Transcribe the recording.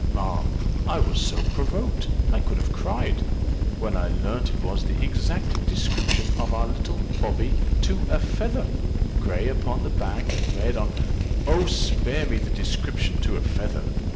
Ma'am, I was so provoked, I could have cried, when I learnt it was the exact description of our little Bobby to a feather gray upon the back, and red on " "Oh! spare me the description to a feather.